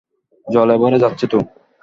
জলে ভরে যাচ্ছে তো।